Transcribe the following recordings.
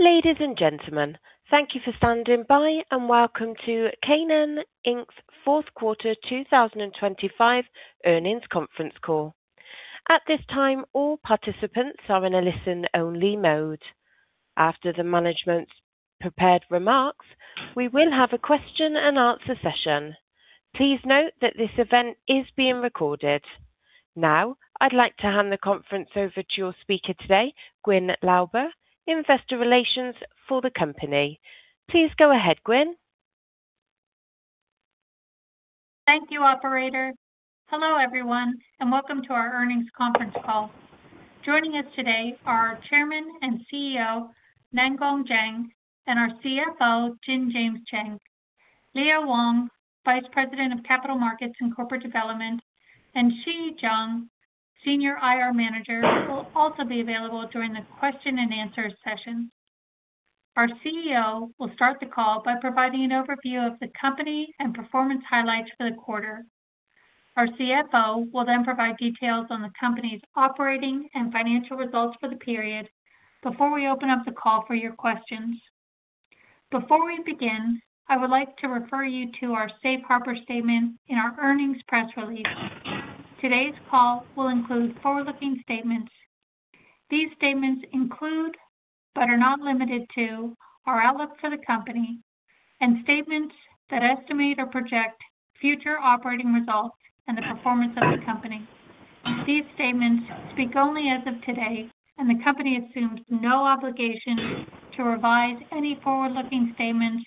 Ladies and gentlemen, thank you for standing by, and welcome to Canaan Inc.'s fourth quarter 2025 earnings conference call. At this time, all participants are in a listen-only mode. After the management's prepared remarks, we will have a question and answer session. Please note that this event is being recorded. Now, I'd like to hand the conference over to your speaker today, Gwyn Lauber, Investor Relations for the company. Please go ahead, Gwyn. Thank you, operator. Hello, everyone, and welcome to our earnings conference call. Joining us today are our Chairman and CEO, Nangeng Zhang, and our CFO, James Jin Cheng. Leo Wang, Vice President of Capital Markets and Corporate Development, and Xi Zhang, Senior IR Manager, will also be available during the question and answer session. Our CEO will start the call by providing an overview of the company and performance highlights for the quarter. Our CFO will then provide details on the company's operating and financial results for the period before we open up the call for your questions. Before we begin, I would like to refer you to our safe harbor statement in our earnings press release. Today's call will include forward-looking statements. These statements include, but are not limited to, our outlook for the company and statements that estimate or project future operating results and the performance of the company. These statements speak only as of today, and the company assumes no obligation to revise any forward-looking statements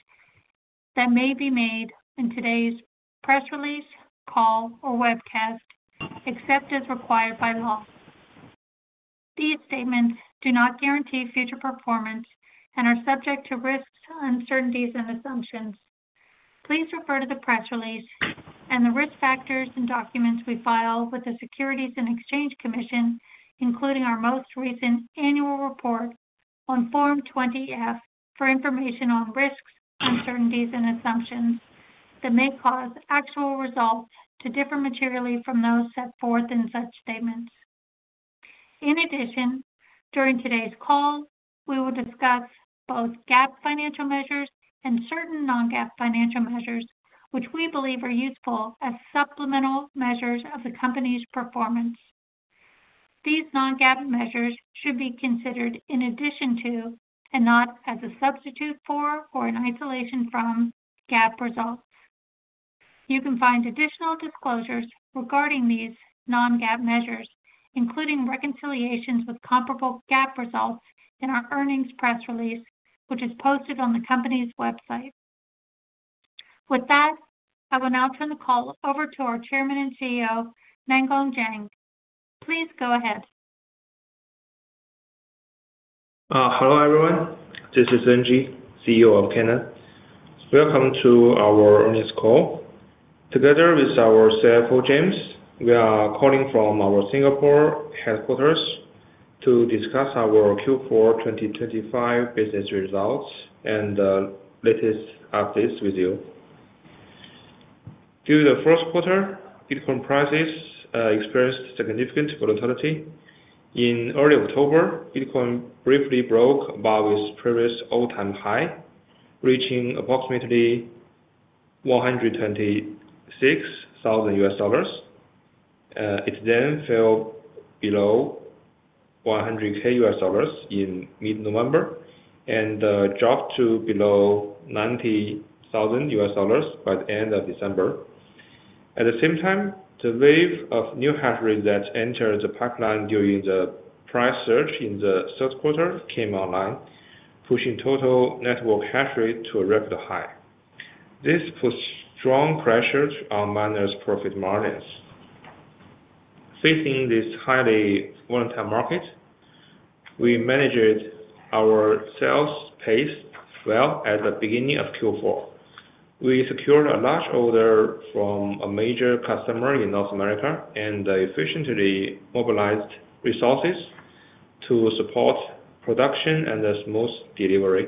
that may be made in today's press release, call, or webcast, except as required by law. These statements do not guarantee future performance and are subject to risks, uncertainties, and assumptions. Please refer to the press release and the risk factors and documents we file with the Securities and Exchange Commission, including our most recent annual report on Form 20-F, for information on risks, uncertainties, and assumptions that may cause actual results to differ materially from those set forth in such statements. In addition, during today's call, we will discuss both GAAP financial measures and certain non-GAAP financial measures, which we believe are useful as supplemental measures of the company's performance. These non-GAAP measures should be considered in addition to, and not as a substitute for or in isolation from, GAAP results. You can find additional disclosures regarding these non-GAAP measures, including reconciliations with comparable GAAP results, in our earnings press release, which is posted on the company's website. With that, I will now turn the call over to our Chairman and CEO, Nangeng Zhang. Please go ahead. Hello, everyone. This is Nangeng, CEO of Canaan. Welcome to our earnings call. Together with our CFO, James, we are calling from our Singapore headquarters to discuss our Q4 2025 business results and, latest updates with you. Through the first quarter, Bitcoin prices, experienced significant volatility. In early October, Bitcoin briefly broke above its previous all-time high, reaching approximately $126,000. It then fell below $100,000 in mid-November, and, dropped to below $90,000 by the end of December. At the same time, the wave of new hash rate that entered the pipeline during the price surge in the third quarter came online, pushing total network hash rate to a record high. This puts strong pressure on miners' profit margins. Facing this highly volatile market, we managed our sales pace well at the beginning of Q4. We secured a large order from a major customer in North America and efficiently mobilized resources to support production and a smooth delivery.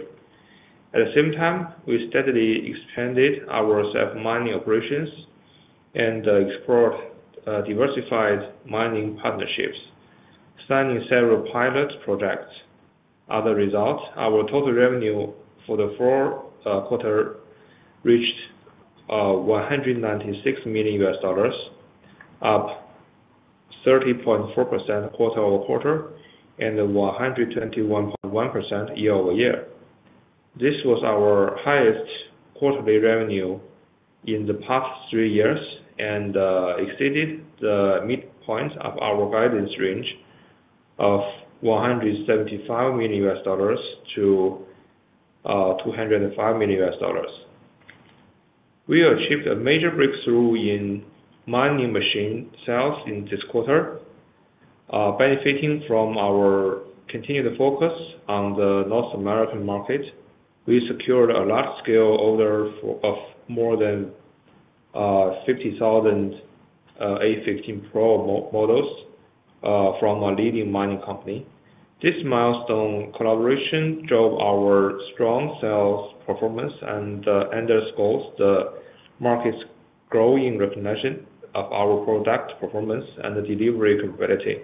At the same time, we steadily expanded our self-mining operations and explored diversified mining partnerships, signing several pilot projects. As a result, our total revenue for the fourth quarter reached $196 million, up 30.4% quarter-over-quarter and 121.1% year-over-year. This was our highest quarterly revenue in the past three years and exceeded the midpoint of our guidance range of $175 million-$205 million. We achieved a major breakthrough in mining machine sales in this quarter. Benefiting from our continued focus on the North American market, we secured a large-scale order of more than 50,000 A15 Pro models from a leading mining company. This milestone collaboration drove our strong sales performance and underscores the market's growing recognition of our product performance and delivery capability.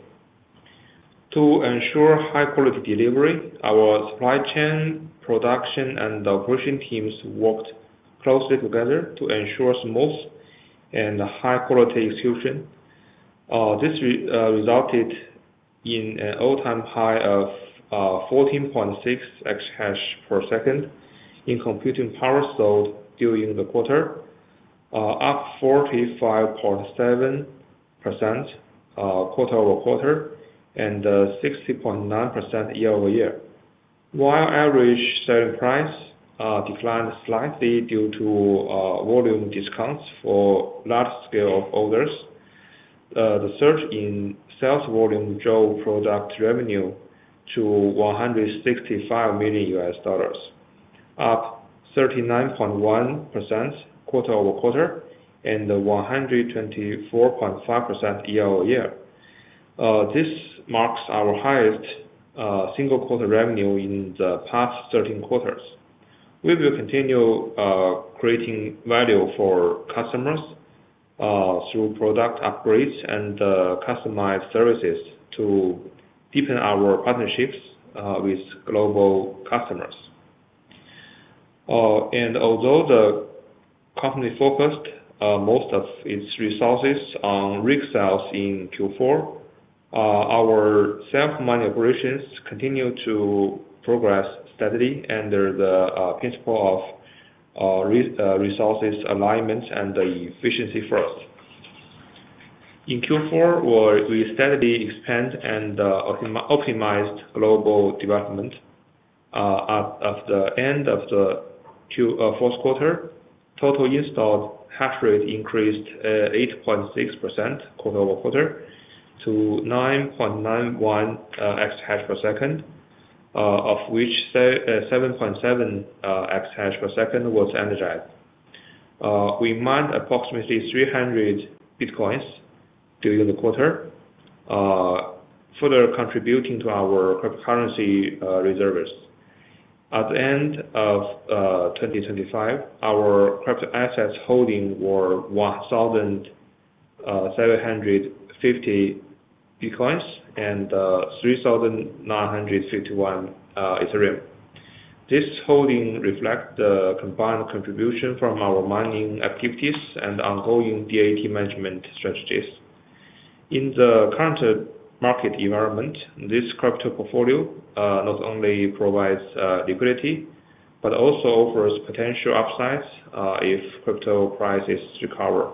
To ensure high-quality delivery, our supply chain, production, and operation teams worked closely together to ensure smooth and high-quality execution. This resulted in an all-time high of 14.6 EH/s in computing power sold during the quarter, up 45.7% quarter-over-quarter, and 60.9% year-over-year. While average selling price declined slightly due to volume discounts for large-scale orders, the surge in sales volume drove product revenue to $165 million, up 39.1% quarter-over-quarter, and 124.5% year-over-year. This marks our highest single quarter revenue in the past 13 quarters. We will continue creating value for customers through product upgrades and customized services to deepen our partnerships with global customers. And although the company focused most of its resources on rig sales in Q4, our self-mining operations continued to progress steadily under the principle of resource alignment and efficiency first. In Q4, we steadily expand and optimized global development. At the end of the fourth quarter, total installed hash rate increased 8.6% quarter-over-quarter to 9.91 EH/s, of which 7.7 EH/s was energized. We mined approximately 300 Bitcoins during the quarter, further contributing to our cryptocurrency reserves. At the end of 2025, our crypto assets holding were 1,750 Bitcoins and 3,961 Ethereum. This holding reflect the combined contribution from our mining activities and ongoing DAT management strategies. In the current market environment, this crypto portfolio not only provides liquidity, but also offers potential upsides if crypto prices recover.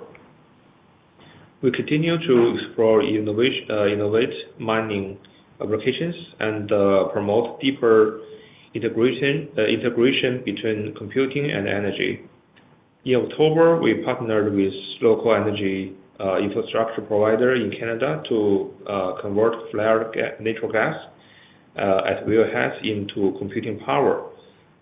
We continue to explore innovative mining applications and promote deeper integration between computing and energy. In October, we partnered with local energy infrastructure provider in Canada to convert flared natural gas at wellheads into computing power.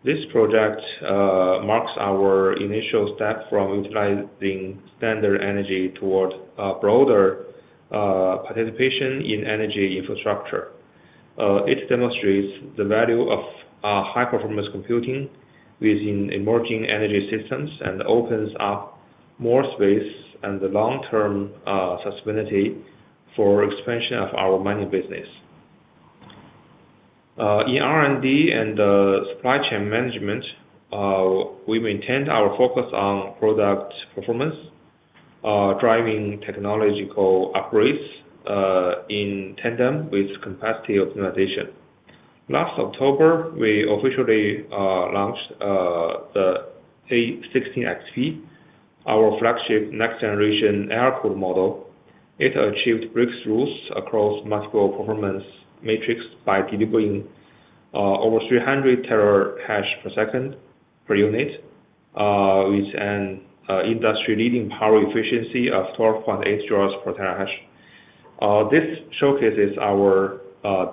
This project marks our initial step from utilizing standard energy toward a broader participation in energy infrastructure. It demonstrates the value of high-performance computing within emerging energy systems and opens up more space and the long-term sustainability for expansion of our mining business. In R&D and supply chain management, we maintained our focus on product performance, driving technological upgrades in tandem with capacity optimization. Last October, we officially launched the A16XP, our flagship next-generation air-cooled model. It achieved breakthroughs across multiple performance metrics by delivering over 300 TH/s per unit with an industry-leading power efficiency of 12.8 J/TH. This showcases our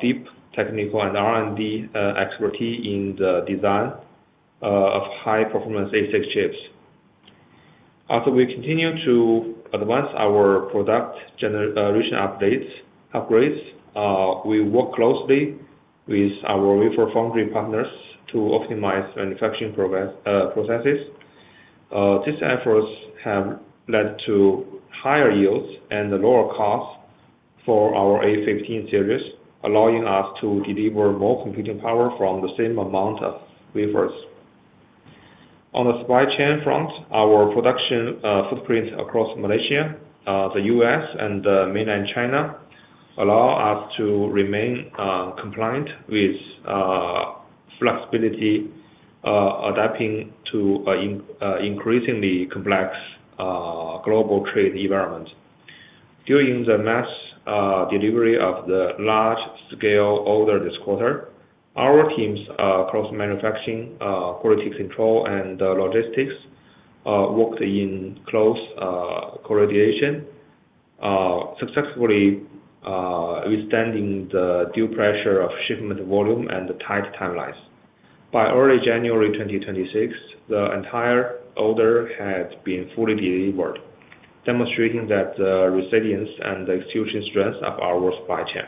deep technical and R&D expertise in the design of high-performance ASIC chips. As we continue to advance our product generation updates, upgrades, we work closely with our wafer foundry partners to optimize manufacturing processes. These efforts have led to higher yields and lower costs for our A15 series, allowing us to deliver more computing power from the same amount of wafers. On the supply chain front, our production footprint across Malaysia, the U.S., and mainland China, allow us to remain compliant with flexibility, adapting to an increasingly complex global trade environment. During the mass delivery of the large-scale order this quarter, our teams across manufacturing, quality control, and logistics worked in close collaboration, successfully withstanding the due pressure of shipment volume and the tight timelines. By early January 2026, the entire order had been fully delivered, demonstrating that the resilience and execution strength of our supply chain.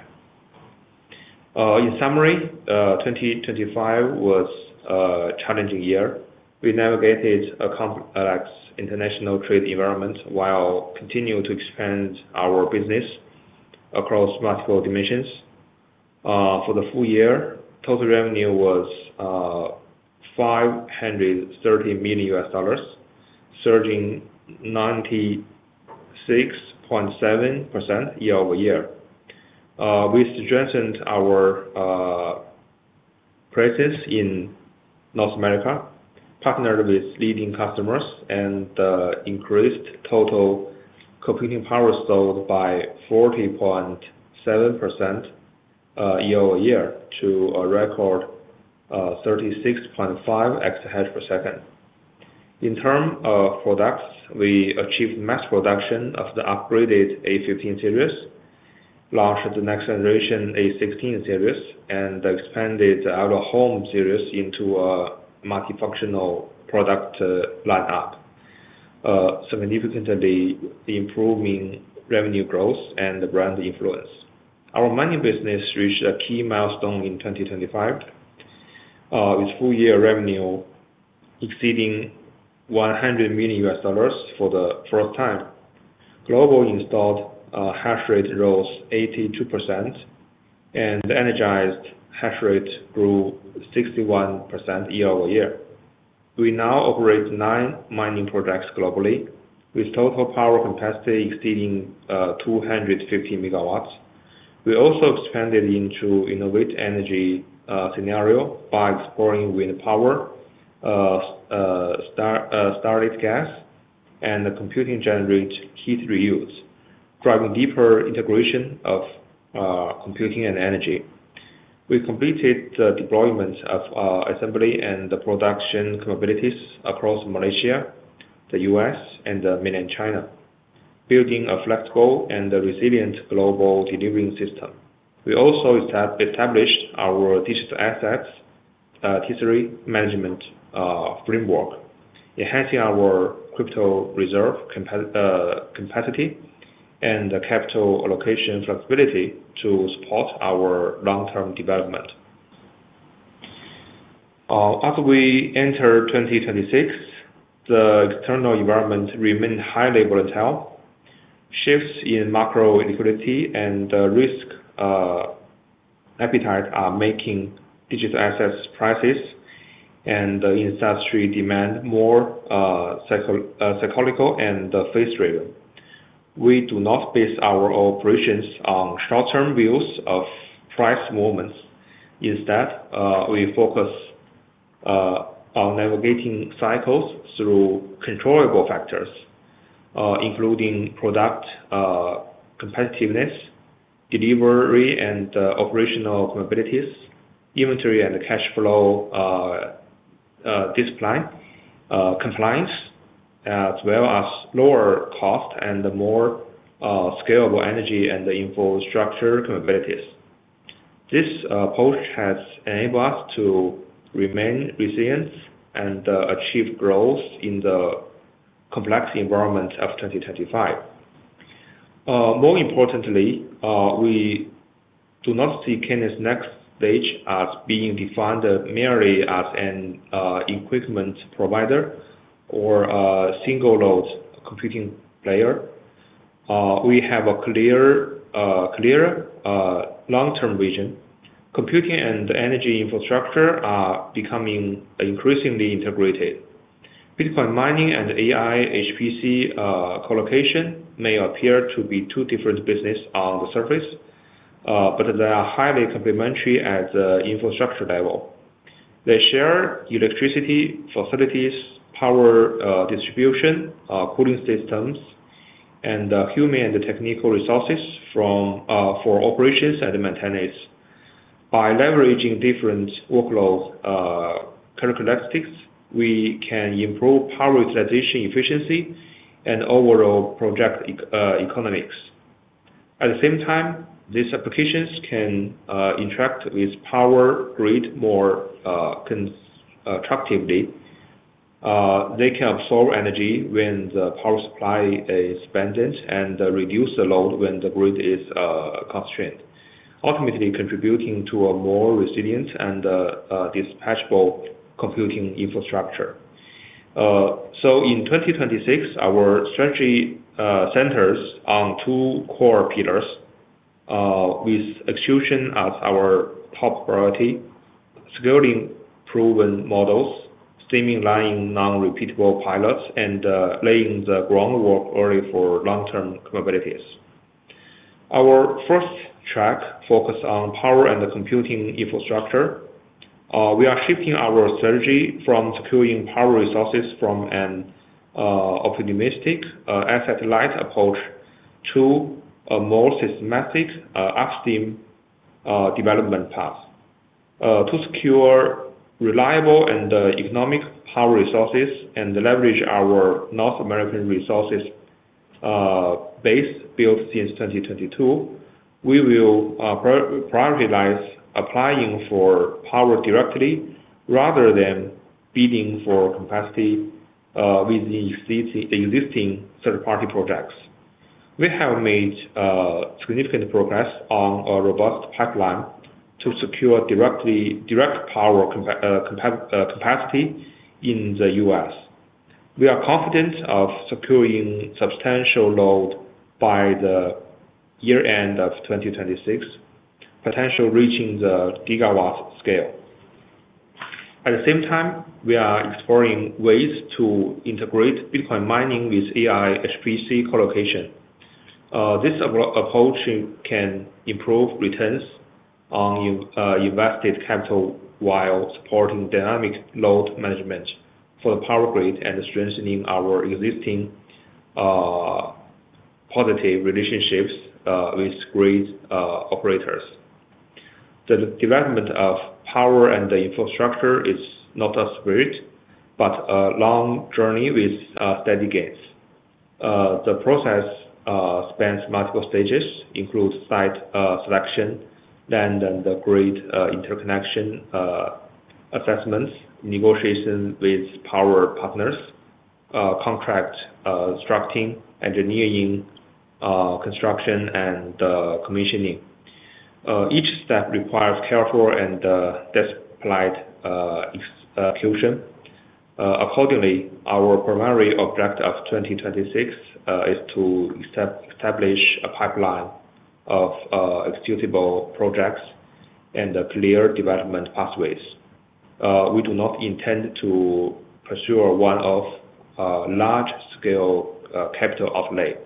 In summary, 2025 was a challenging year. We navigated a complex international trade environment while continuing to expand our business across multiple dimensions. For the full year, total revenue was $530 million, surging 96.7% year-over-year. We strengthened our presence in North America, partnered with leading customers, and increased total computing power sold by 40.7% year-over-year to a record 36.5 EH/s. In terms of products, we achieved mass production of the upgraded A15 series, launched the next generation A16 series, and expanded our Home Series into a multifunctional product line-up, significantly improving revenue growth and brand influence. Our mining business reached a key milestone in 2025 with full-year revenue exceeding $100 million for the first time. Global installed hash rate rose 82%, and energized hash rate grew 61% year-over-year. We now operate nine mining projects globally, with total power capacity exceeding 250 MW. We also expanded into innovative energy scenarios by exploring wind power, stranded gas, and computing-generated heat reuse, driving deeper integration of computing and energy. We completed the deployment of our assembly and the production capabilities across Malaysia, the U.S., and Mainland China, building a flexible and a resilient global delivery system. We also established our digital assets treasury management framework, enhancing our crypto reserve capacity and capital allocation flexibility to support our long-term development. As we enter 2026, the external environment remains highly volatile. Shifts in macro liquidity and risk appetite are making digital assets prices and industry demand more psychological and fast rhythm. We do not base our operations on short-term views of price movements. Instead, we focus on navigating cycles through controllable factors, including product competitiveness, delivery and operational capabilities, inventory and cash flow discipline, compliance, as well as lower cost and more scalable energy and infrastructure capabilities. This approach has enabled us to remain resilient and achieve growth in the complex environment of 2025. More importantly, we do not see Canaan's next stage as being defined merely as an equipment provider or a single load computing player. We have a clear long-term vision. Computing and energy infrastructure are becoming increasingly integrated. Bitcoin mining and AI HPC collocation may appear to be two different business on the surface, but they are highly complementary at the infrastructure level. They share electricity, facilities, power distribution, cooling systems, and human and technical resources for operations and maintenance. By leveraging different workloads characteristics, we can improve power utilization efficiency and overall project economics. At the same time, these applications can interact with power grid more attractively. They can absorb energy when the power supply is abundant and reduce the load when the grid is constrained, ultimately contributing to a more resilient and dispatchable computing infrastructure. So in 2026, our strategy centers on two core pillars, with execution as our top priority, securing proven models, streamlining non-repeatable pilots, and laying the groundwork early for long-term capabilities. Our first track focus on power and the computing infrastructure. We are shifting our strategy from securing power resources from an opportunistic asset-light approach to a more systematic upstream development path. To secure reliable and economic power resources and leverage our North American resources base built since 2022, we will prioritize applying for power directly rather than bidding for capacity with the existing third-party projects. We have made significant progress on a robust pipeline to secure direct power capacity in the U.S. We are confident of securing substantial load by the year-end of 2026, potential reaching the gigawatt scale. At the same time, we are exploring ways to integrate Bitcoin mining with AI HPC collocation. This approach can improve returns on invested capital, while supporting dynamic load management for the power grid and strengthening our existing positive relationships with grid operators. The development of power and the infrastructure is not a sprint, but a long journey with steady gains. The process spans multiple stages, includes site selection, land and the grid interconnection assessments, negotiation with power partners, contract structuring, engineering, construction, and commissioning. Each step requires careful and disciplined execution. Accordingly, our primary objective of 2026 is to establish a pipeline of executable projects and clear development pathways. We do not intend to pursue a one-off large-scale capital outlay.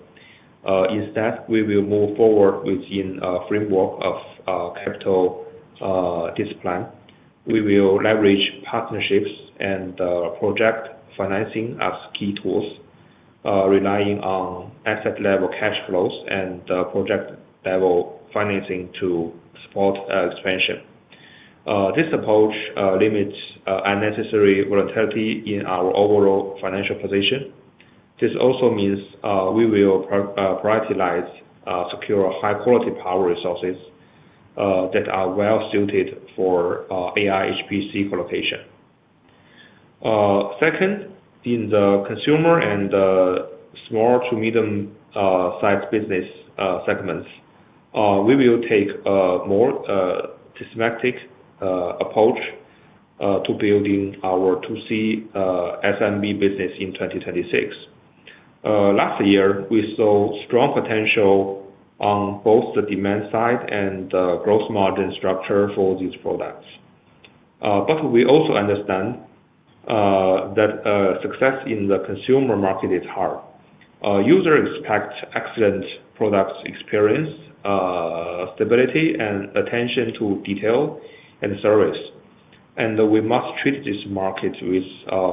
Instead, we will move forward within a framework of capital discipline. We will leverage partnerships and project financing as key tools, relying on asset-level cash flows and project-level financing to support expansion. This approach limits unnecessary volatility in our overall financial position. This also means we will prioritize secure high-quality power resources that are well suited for AI HPC collocation. Second, in the consumer and small to medium size business segments, we will take more systematic approach to building our 2C SMB business in 2026. Last year, we saw strong potential on both the demand side and the gross margin structure for these products. But we also understand that success in the consumer market is hard. Users expect excellent products experience, stability, and attention to detail and service, and we must treat this market with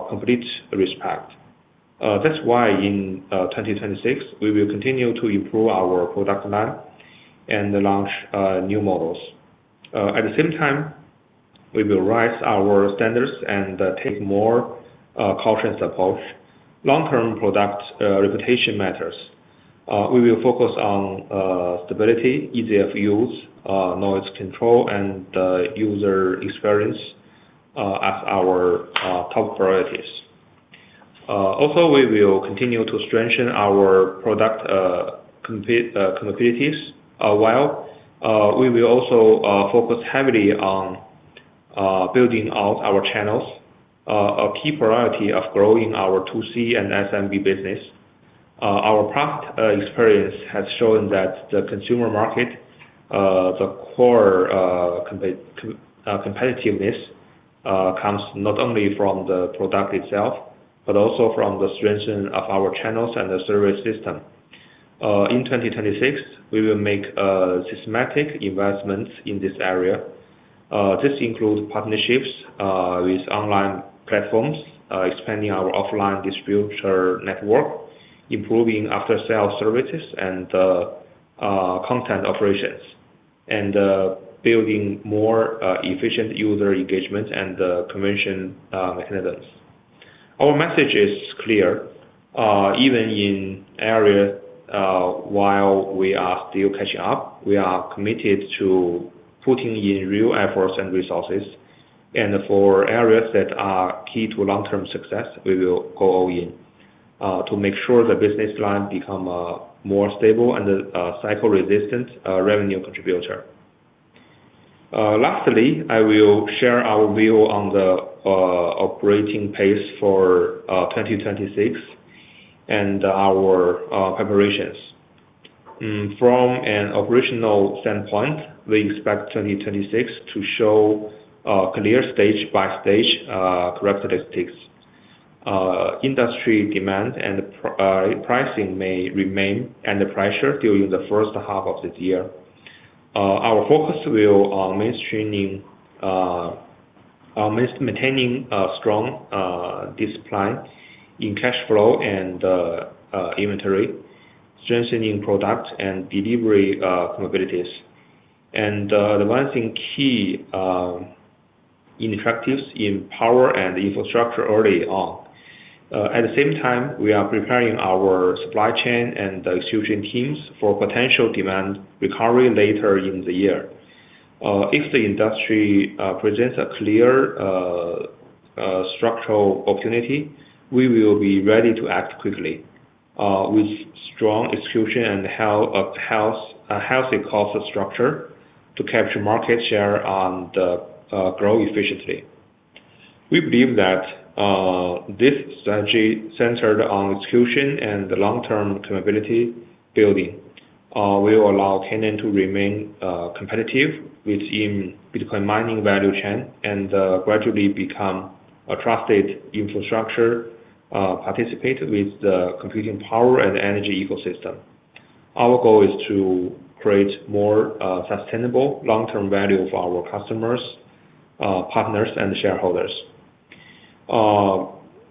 complete respect. That's why in 2026, we will continue to improve our product line and launch new models. At the same time, we will raise our standards and take more cautious approach. Long-term product reputation matters. We will focus on stability, ease of use, noise control, and user experience as our top priorities. Also, we will continue to strengthen our product competitiveness while we will also focus heavily on building out our channels. A key priority of growing our 2C and SMB business. Our past experience has shown that the consumer market, the core competitiveness, comes not only from the product itself, but also from the strengthening of our channels and the service system. In 2026, we will make systematic investments in this area. This includes partnerships with online platforms, expanding our offline distributor network, improving after-sale services and content operations, and building more efficient user engagement and commission mechanisms. Our message is clear, even in areas while we are still catching up, we are committed to putting in real efforts and resources. And for areas that are key to long-term success, we will go all in to make sure the business line become more stable and a cycle-resistant revenue contributor. Lastly, I will share our view on the operating pace for 2026 and our preparations. From an operational standpoint, we expect 2026 to show a clear stage-by-stage characteristics. Industry demand and pricing may remain under pressure during the first half of the year. Our focus will on mainstreaming on maintaining a strong discipline in cash flow and inventory, strengthening product and delivery capabilities, and advancing key initiatives in power and infrastructure early on. At the same time, we are preparing our supply chain and the solution teams for potential demand recovery later in the year. If the industry presents a clear structural opportunity, we will be ready to act quickly with strong execution and a healthy cost structure to capture market share and grow efficiently. We believe that this strategy centered on execution and the long-term capability building will allow Canaan to remain competitive within Bitcoin mining value chain, and gradually become a trusted infrastructure participant with the computing power and energy ecosystem. Our goal is to create more sustainable long-term value for our customers, partners, and shareholders.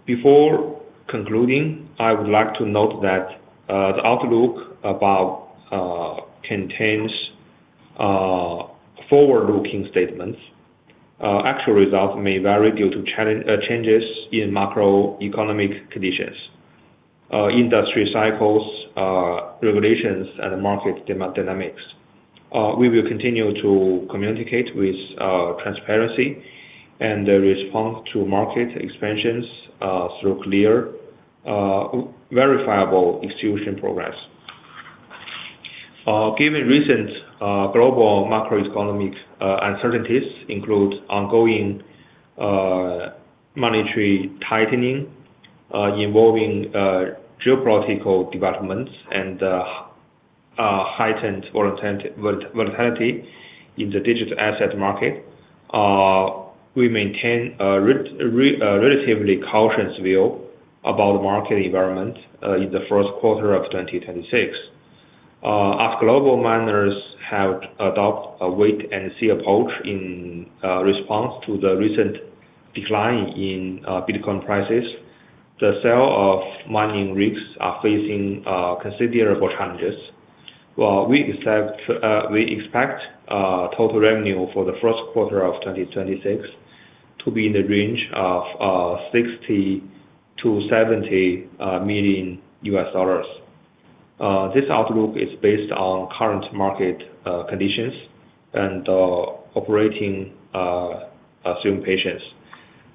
Before concluding, I would like to note that the outlook above contains forward-looking statements. Actual results may vary due to changes in macroeconomic conditions, industry cycles, regulations, and market dynamics. We will continue to communicate with transparency and respond to market expansions through clear, verifiable execution progress. Given recent global macroeconomic uncertainties, including ongoing monetary tightening involving geopolitical developments and heightened volatility in the digital asset market, we maintain a relatively cautious view about the market environment in the first quarter of 2026. As global miners have adopt a wait-and-see approach in response to the recent decline in Bitcoin prices, the sale of mining rigs are facing considerable challenges. While we expect total revenue for the first quarter of 2026 to be in the range of $60 million-$70 million. This outlook is based on current market conditions and operating assumptions.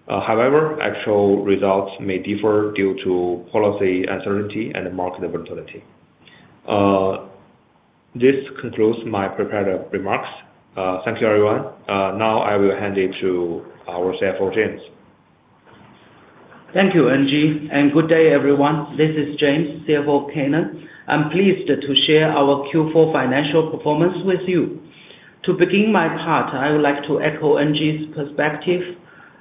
However, actual results may differ due to policy uncertainty and market volatility. This concludes my prepared remarks. Thank you, everyone. Now I will hand it to our CFO, James. Thank you, NG, and good day, everyone. This is James, CFO of Canaan. I'm pleased to share our Q4 financial performance with you. To begin my part, I would like to echo NG's perspective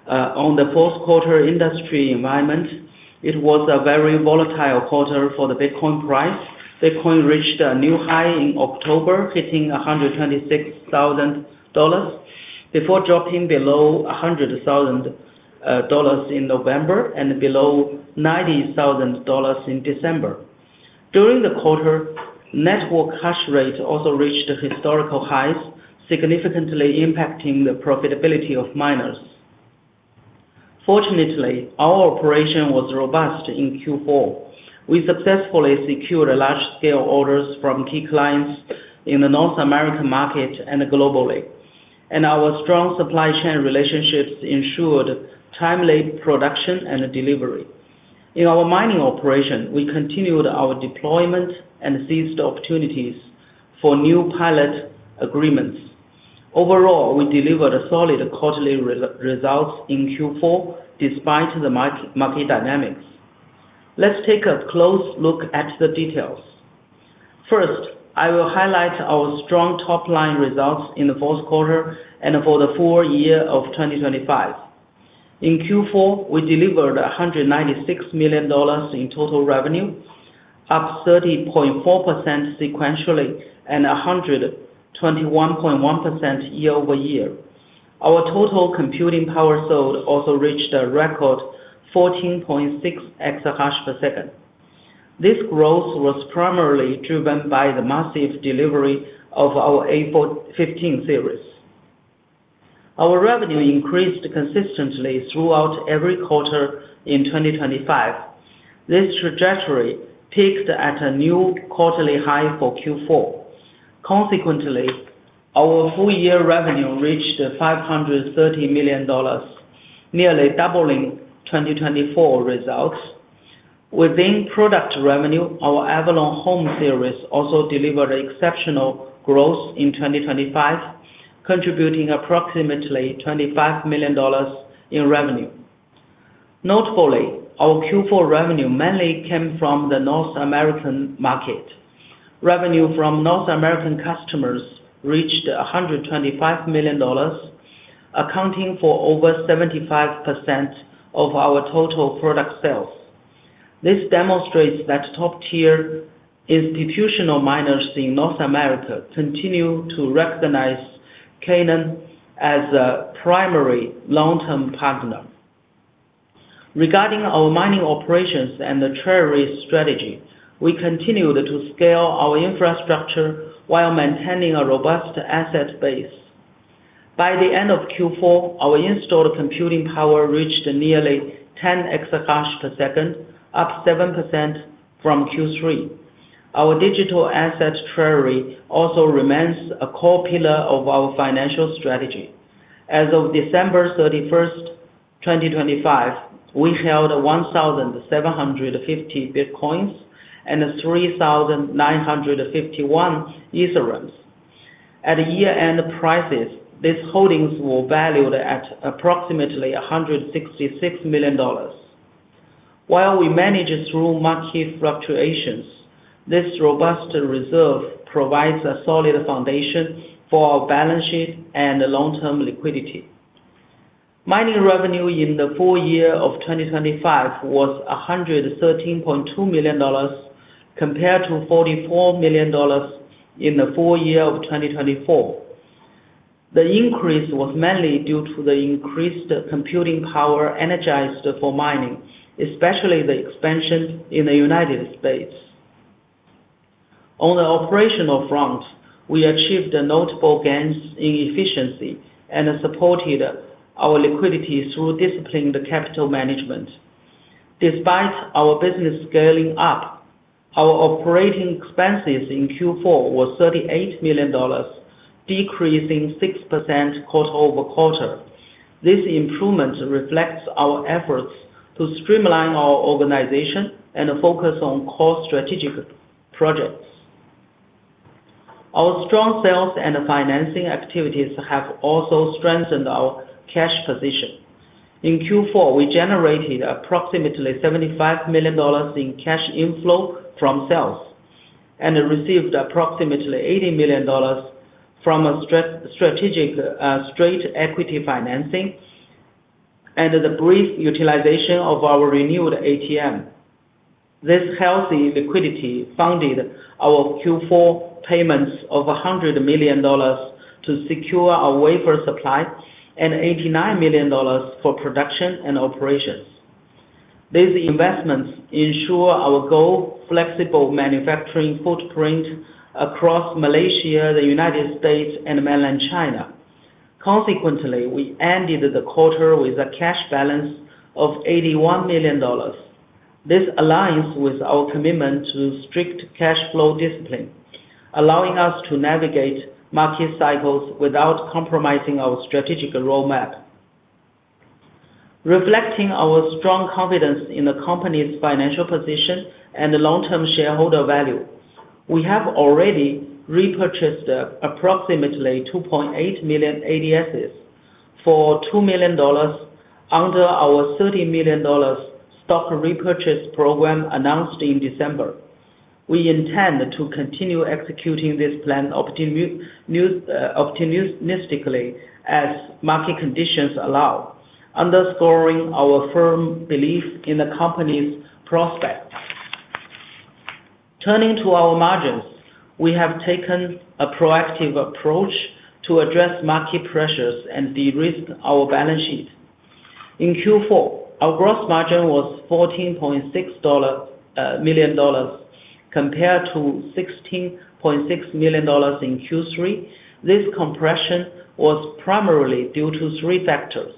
on the fourth quarter industry environment. It was a very volatile quarter for the Bitcoin price. Bitcoin reached a new high in October, hitting $126,000, before dropping below $100,000 in November and below $90,000 in December. During the quarter, network hash rate also reached historical highs, significantly impacting the profitability of miners. Fortunately, our operation was robust in Q4. We successfully secured large-scale orders from key clients in the North American market and globally, and our strong supply chain relationships ensured timely production and delivery. In our mining operation, we continued our deployment and seized opportunities for new pilot agreements. Overall, we delivered a solid quarterly results in Q4 despite the market dynamics. Let's take a close look at the details. First, I will highlight our strong top-line results in the fourth quarter and for the full year of 2025. In Q4, we delivered $196 million in total revenue, up 30.4% sequentially, and 121.1% year-over-year. Our total computing power sold also reached a record 14.6 EH/s. This growth was primarily driven by the massive delivery of our A15 series. Our revenue increased consistently throughout every quarter in 2025. This trajectory peaked at a new quarterly high for Q4. Consequently, our full year revenue reached $530 million, nearly doubling 2024 results. Within product revenue, our Avalon Home Series also delivered exceptional growth in 2025, contributing approximately $25 million in revenue. Notably, our Q4 revenue mainly came from the North American market. Revenue from North American customers reached $125 million, accounting for over 75% of our total product sales. This demonstrates that top-tier institutional miners in North America continue to recognize Canaan as a primary long-term partner. Regarding our mining operations and the treasury strategy, we continued to scale our infrastructure while maintaining a robust asset base. By the end of Q4, our installed computing power reached nearly 10 EH/s, up 7% from Q3. Our digital asset treasury also remains a core pillar of our financial strategy. As of December 31st, 2025, we held 1,750 Bitcoins and 3,951 Ethereums. At year-end prices, these holdings were valued at approximately $166 million. While we manage through market fluctuations, this robust reserve provides a solid foundation for our balance sheet and long-term liquidity. Mining revenue in the full year of 2025 was $113.2 million, compared to $44 million in the full year of 2024. The increase was mainly due to the increased computing power energized for mining, especially the expansion in the United States. On the operational front, we achieved notable gains in efficiency and supported our liquidity through disciplined capital management. Despite our business scaling up, our operating expenses in Q4 were $38 million, decreasing 6% quarter-over-quarter. This improvement reflects our efforts to streamline our organization and focus on core strategic projects. Our strong sales and financing activities have also strengthened our cash position. In Q4, we generated approximately $75 million in cash inflow from sales, and received approximately $80 million from a strategic straight equity financing and the brief utilization of our renewed ATM. This healthy liquidity funded our Q4 payments of $100 million to secure our wafer supply and $89 million for production and operations. These investments ensure our goal, flexible manufacturing footprint across Malaysia, the United States, and Mainland China. Consequently, we ended the quarter with a cash balance of $81 million. This aligns with our commitment to strict cash flow discipline, allowing us to navigate market cycles without compromising our strategic roadmap. Reflecting our strong confidence in the company's financial position and the long-term shareholder value, we have already repurchased approximately 2.8 million ADSs for $2 million under our $30 million stock repurchase program announced in December. We intend to continue executing this plan opportunistically as market conditions allow, underscoring our firm belief in the company's prospects. Turning to our margins, we have taken a proactive approach to address market pressures and de-risk our balance sheet. In Q4, our gross margin was $14.6 million, compared to $16.6 million in Q3. This compression was primarily due to three factors.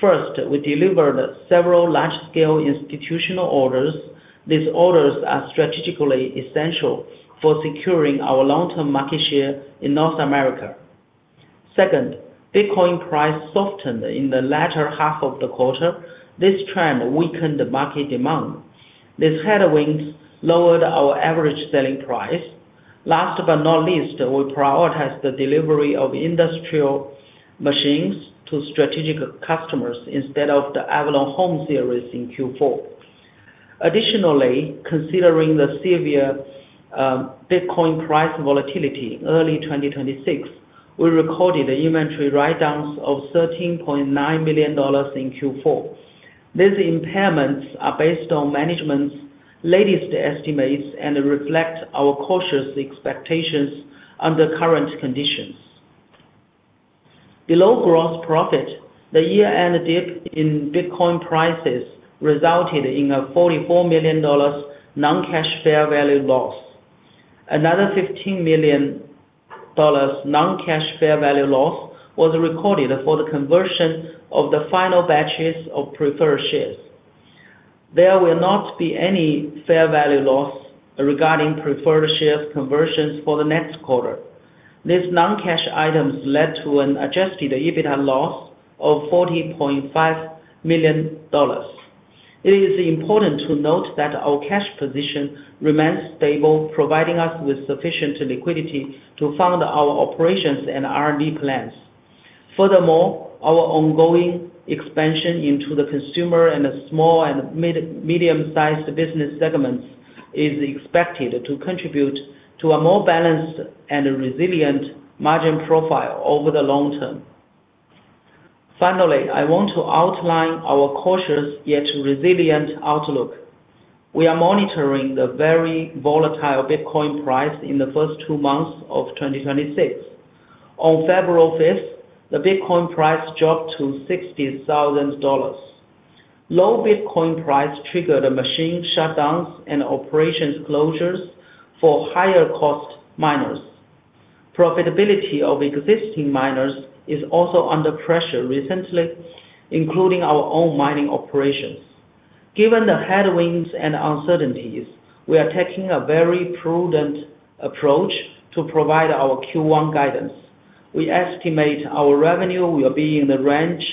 First, we delivered several large-scale institutional orders. These orders are strategically essential for securing our long-term market share in North America. Second, Bitcoin price softened in the latter half of the quarter. This trend weakened the market demand. These headwinds lowered our average selling price. Last but not least, we prioritized the delivery of industrial machines to strategic customers instead of the Avalon Home Series in Q4. Additionally, considering the severe Bitcoin price volatility in early 2026, we recorded the inventory write-downs of $13.9 million in Q4. These impairments are based on management's latest estimates and reflect our cautious expectations under current conditions. Below gross profit, the year-end dip in Bitcoin prices resulted in a $44 million non-cash fair value loss. Another $15 million non-cash fair value loss was recorded for the conversion of the final batches of preferred shares. There will not be any fair value loss regarding preferred share conversions for the next quarter. These non-cash items led to an adjusted EBITDA loss of $40.5 million. It is important to note that our cash position remains stable, providing us with sufficient liquidity to fund our operations and R&D plans. Furthermore, our ongoing expansion into the consumer and the small and medium-sized business segments is expected to contribute to a more balanced and resilient margin profile over the long term. Finally, I want to outline our cautious yet resilient outlook. We are monitoring the very volatile Bitcoin price in the first two months of 2026. On February 5, the Bitcoin price dropped to $60,000. Low Bitcoin price triggered the machine shutdowns and operations closures for higher-cost miners. Profitability of existing miners is also under pressure recently, including our own mining operations. Given the headwinds and uncertainties, we are taking a very prudent approach to provide our Q1 guidance. We estimate our revenue will be in the range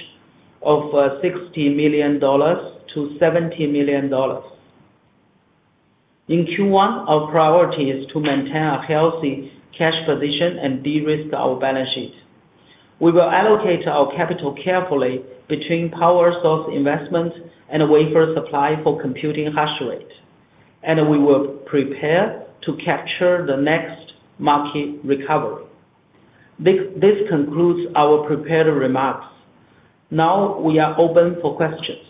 of $60 million-$70 million. In Q1, our priority is to maintain a healthy cash position and de-risk our balance sheet. We will allocate our capital carefully between power source investments and wafer supply for computing hash rate, and we will prepare to capture the next market recovery. This concludes our prepared remarks. Now we are open for questions.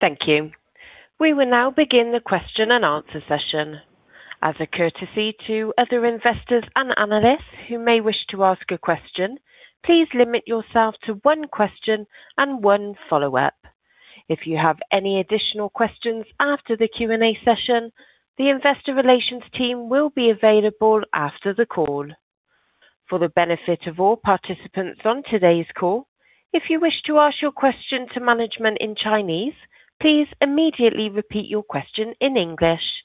Thank you. We will now begin the question and answer session. As a courtesy to other investors and analysts who may wish to ask a question, please limit yourself to one question and one follow-up. If you have any additional questions after the Q&A session, the investor relations team will be available after the call. For the benefit of all participants on today's call, if you wish to ask your question to management in Chinese, please immediately repeat your question in English.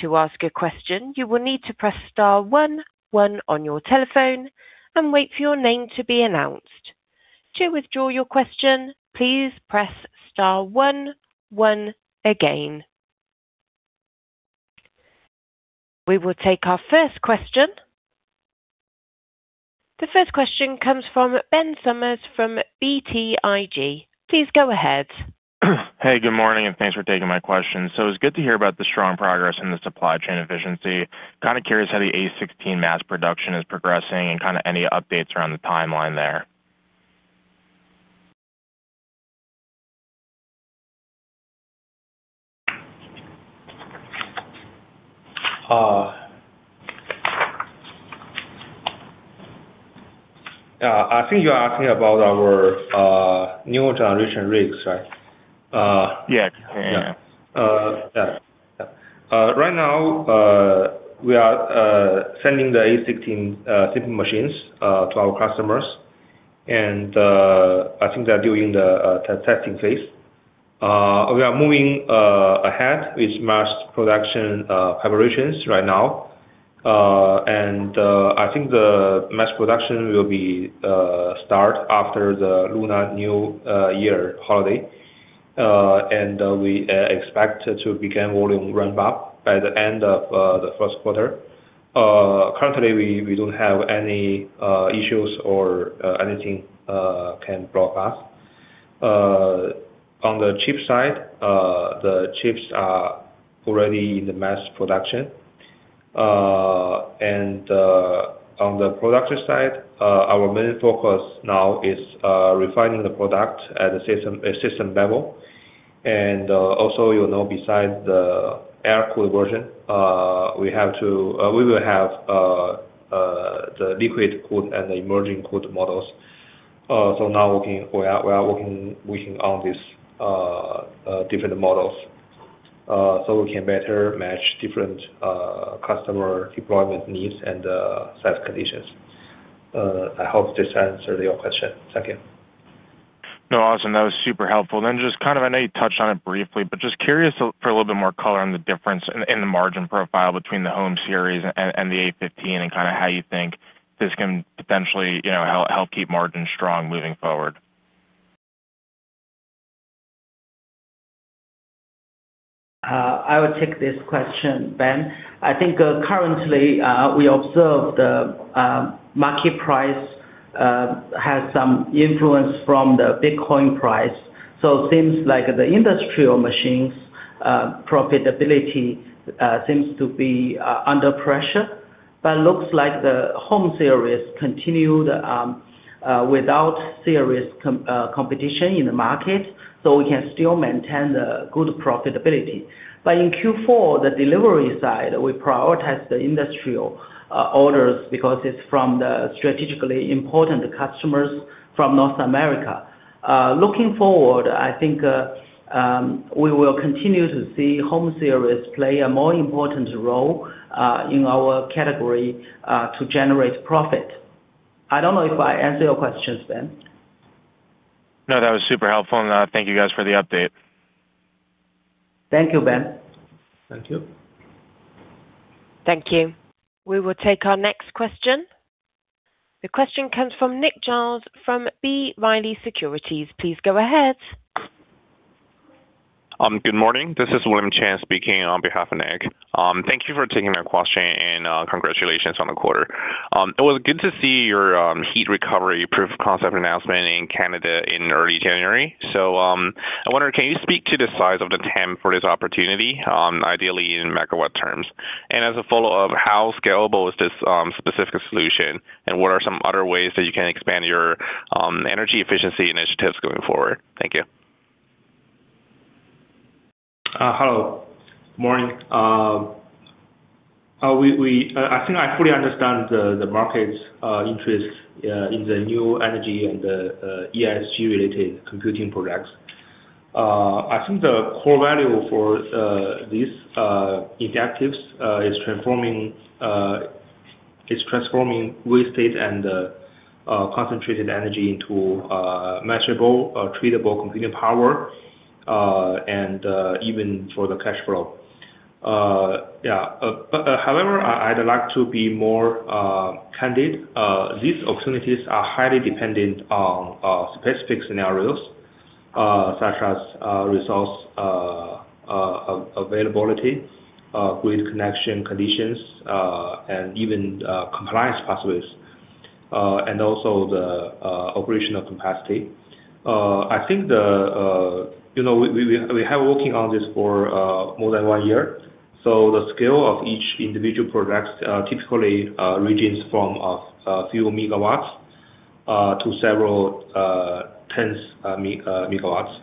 To ask a question, you will need to press star one one on your telephone and wait for your name to be announced. To withdraw your question, please press star one one again. We will take our first question. The first question comes from Ben Sommers from BTIG. Please go ahead. Hey, good morning, and thanks for taking my question. It's good to hear about the strong progress in the supply chain efficiency. Kind of curious how the A16 mass production is progressing and kind of any updates around the timeline there? I think you're asking about our new generation rigs, right? Yeah. Yeah. Right now, we are sending the A16 machines to our customers, and I think they are doing the testing phase. We are moving ahead with mass production preparations right now. And I think the mass production will be start after the Lunar New Year holiday. And we expect to begin volume ramp-up by the end of the first quarter. Currently, we don't have any issues or anything can block us. On the chip side, the chips are already in the mass production. And on the production side, our main focus now is refining the product at a system level. And also, you know, besides the air-cooled version, we have to. We will have the liquid-cooled and the immersion-cooled models. So now we are working on this different models, so we can better match different customer deployment needs and site conditions. I hope this answered your question. Thank you. No, awesome. That was super helpful. Then just kind of, I know you touched on it briefly, but just curious for a little bit more color on the difference in the margin profile between the Home Series and the A15, and kind of how you think this can potentially, you know, help keep margins strong moving forward? I will take this question, Ben. I think, currently, we observed the market price has some influence from the Bitcoin price. So seems like the industrial machines profitability seems to be under pressure, but looks like the Home Series continued without serious competition in the market, so we can still maintain the good profitability. But in Q4, the delivery side, we prioritize the industrial orders because it's from the strategically important customers from North America. Looking forward, I think, we will continue to see Home Series play a more important role in our category to generate profit. I don't know if I answered your questions, Ben. No, that was super helpful. And, thank you guys for the update. Thank you, Ben. Thank you. Thank you. We will take our next question. The question comes from Nick Giles from B. Riley Securities. Please go ahead. Good morning. This is William Chan speaking on behalf of Nick. Thank you for taking my question, and congratulations on the quarter. It was good to see your heat recovery proof of concept announcement in Canada in early January. I wonder, can you speak to the size of the TAM for this opportunity, ideally in megawatt terms? And as a follow-up, how scalable is this specific solution, and what are some other ways that you can expand your energy efficiency initiatives going forward? Thank you. Hello. Morning. I think I fully understand the market's interest in the new energy and the ESG-related computing products. I think the core value for these objectives is transforming waste heat and concentrated energy into measurable, treatable computing power, and even for the cash flow. Yeah, but however, I'd like to be more candid. These opportunities are highly dependent on specific scenarios, such as resource availability, grid connection conditions, and even compliance pathways, and also the operational capacity. I think the, you know, we have working on this for more than one year, so the scale of each individual projects typically ranges from a few megawatts to several tens megawatts.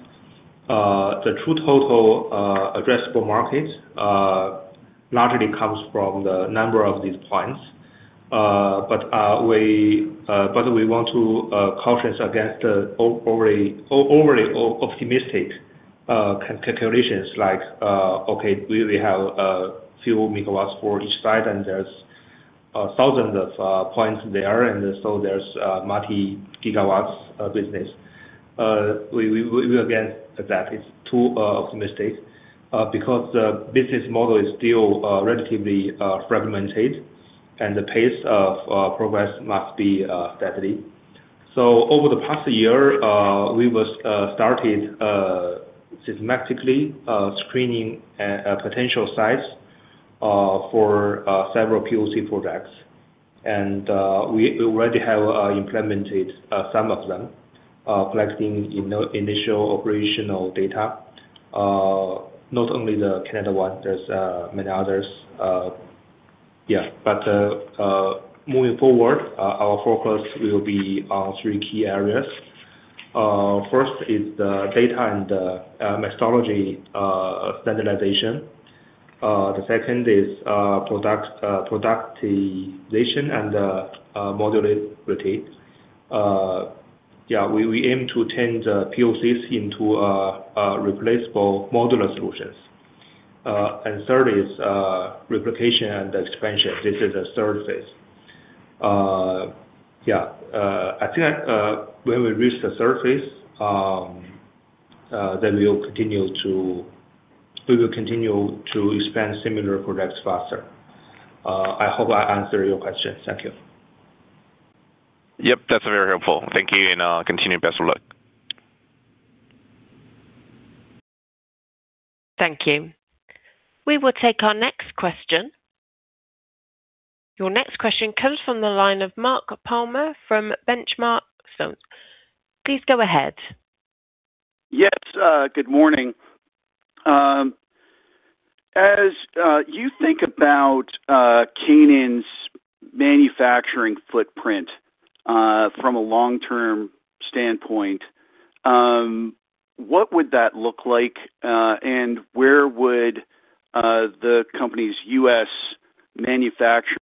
The true total addressable market largely comes from the number of these points. But we want to cautious against the overly optimistic calculations like, okay, we only have a few megawatts for each side, and there's thousands of points there, and so there's multi gigawatts business. We, again, that is too optimistic, because the business model is still relatively fragmented, and the pace of progress must be steadily. So over the past year, we was started systematically screening potential sites for several POC projects. And we already have implemented some of them, collecting initial operational data. Not only the Canada one, there's many others. But moving forward, our focus will be on three key areas. First is the data and methodology standardization. The second is product productization and modularity. We aim to turn the POCs into replaceable modular solutions. And third is replication and expansion. This is the third phase. When we reach the third phase, then we will continue to expand similar projects faster. I hope I answered your question. Thank you. Yep, that's very helpful. Thank you, and continued best of luck. Thank you. We will take our next question. Your next question comes from the line of Mark Palmer from Benchmark. Please go ahead. Yes, good morning. As you think about Canaan's manufacturing footprint from a long-term standpoint, what would that look like? And where would the company's U.S. manufacturing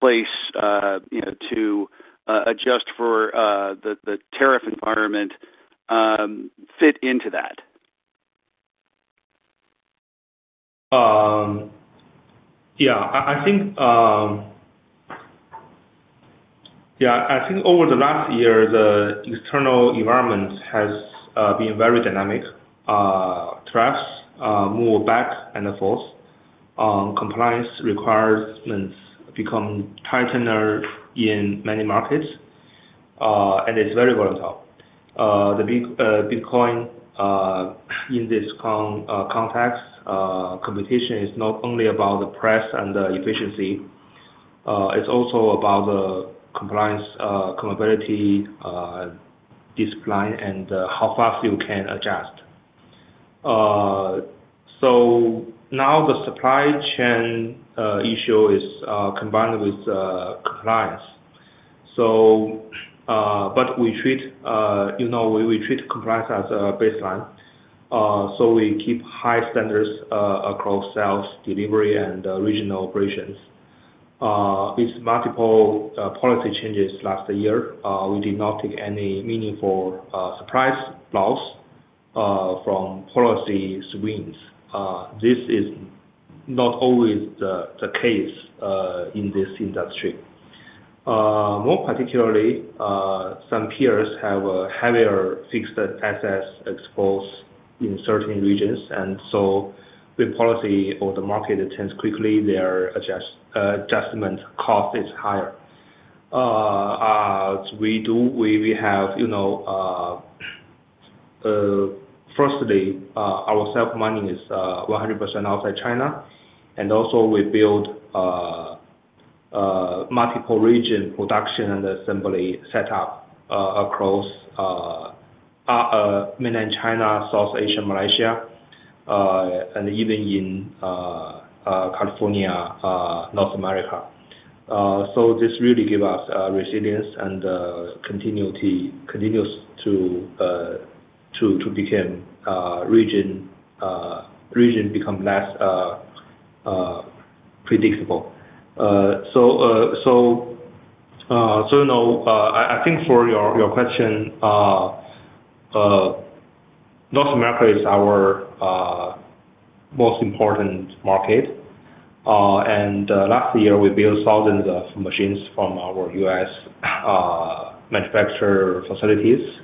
place, you know, to adjust for the tariff environment, fit into that? Yeah, I think over the last year, the external environment has been very dynamic. Trusts move back and forth. Compliance requirements become tighter in many markets, and it's very volatile. The big Bitcoin, in this context, competition is not only about the price and the efficiency, it's also about the compliance, comparability, discipline, and how fast you can adjust. So now the supply chain issue is combined with compliance. So, but we treat, you know, we treat compliance as a baseline, so we keep high standards across sales, delivery, and regional operations. With multiple policy changes last year, we did not take any meaningful surprise loss from policy swings. This is not always the case in this industry. More particularly, some peers have a heavier fixed assets exposed in certain regions, and so the policy or the market changes quickly, their adjustment cost is higher. We have, you know, firstly, our self-mining is 100% outside China. And also we build multiple region production and assembly setup across mainland China, South Asia, Malaysia, and even in California, North America. So this really give us resilience and continuity continues to become region region become less predictable. So, you know, I think for your question, North America is our most important market. Last year, we built thousands of machines from our U.S. manufacturer facilities.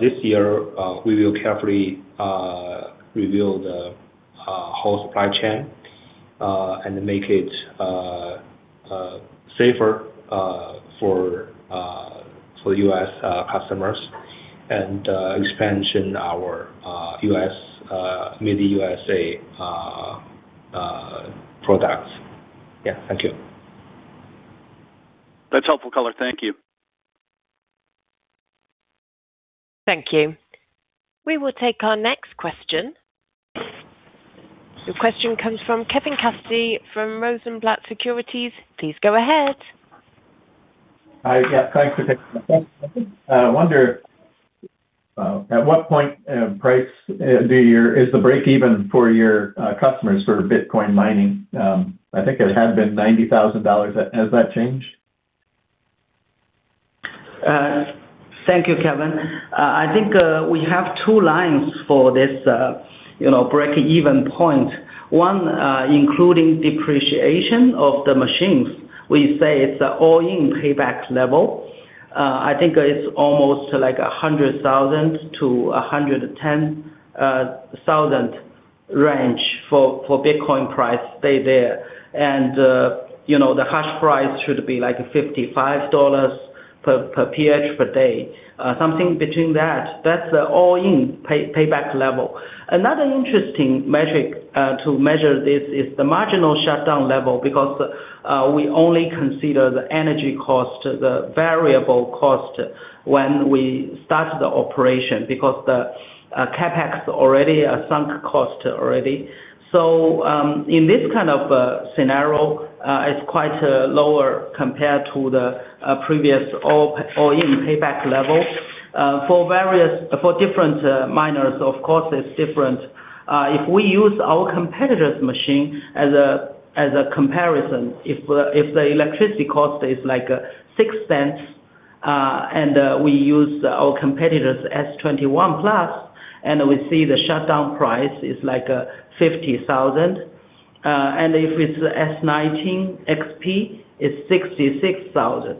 This year, we will carefully review the whole supply chain and make it safer for U.S. customers and expansion our U.S., maybe U.S.A., products. Yeah. Thank you. That's helpful color. Thank you. Thank you. We will take our next question. Your question comes from Kevin Cassidy from Rosenblatt Securities. Please go ahead. Hi. Yeah, thanks for taking my question. I wonder, at what point, price, do your-- is the breakeven for your, customers for Bitcoin mining? I think it had been $90,000. Has that changed? Thank you, Kevin. I think we have two lines for this, you know, breakeven point. One, including depreciation of the machines, we say it's all-in payback level. I think it's almost like a $100,000-$110,000 range for Bitcoin price stay there. And, you know, the hash price should be, like, $55 per PH per day. Something between that, that's the all-in payback level. Another interesting metric to measure this is the marginal shutdown level, because we only consider the energy cost, the variable cost, when we start the operation, because the CapEx already a sunk cost already. So, in this kind of scenario, it's quite lower compared to the previous all-in payback level. For different miners, of course, it's different. If we use our competitor's machine as a comparison, if the electricity cost is like 6 cents, and we use our competitor's S21+, and we see the shutdown price is like $50,000, and if it's S19 XP, it's $66,000.